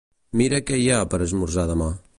Mira què hi ha per esmorzar demà